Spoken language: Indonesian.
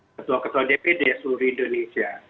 ketua ketua dpd seluruh indonesia